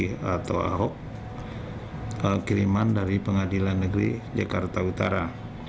di akto ahok kiriman dari pengadilan negeri jakarta utara